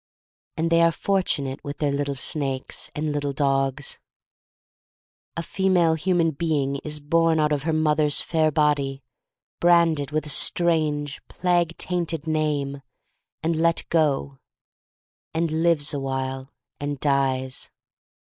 And they are fortunate with their little snakes and little dogs. A female human being is born out of • her mother's fair body, branded with a strange, plague tainted name, and let THE STORY OF MARY MAC LANE IO3 go; and lives awhile, and dies.